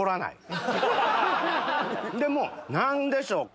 でも何でしょう？